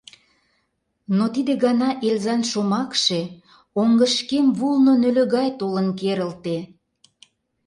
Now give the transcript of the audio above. Но тиде гана Эльзан шомакше оҥышкем вулно нӧлӧ гай толын керылте.